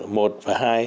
một và hai